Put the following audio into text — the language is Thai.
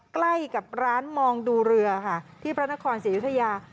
ใกล้กับร้านมองดูเรือค่ะที่พระนครศรีอยุธยา